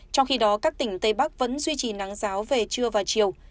trong khi đó các tỉnh tây bắc vẫn duy trì nắng giáo về trưa và chiều